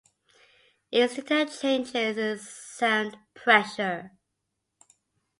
Ears detect changes in sound pressure.